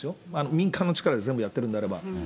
民間の力で全部やってるんであれば。